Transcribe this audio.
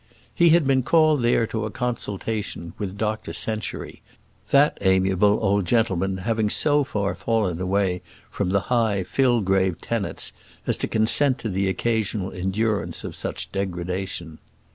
He had been called there to a consultation with Dr Century, that amiable old gentleman having so far fallen away from the high Fillgrave tenets as to consent to the occasional endurance of such degradation.